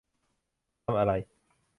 ทำอะไร ?